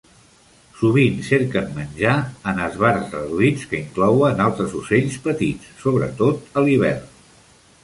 Sovint cerquen menjar en esbarts reduïts que inclouen altres ocells petits, sobretot a l'hivern.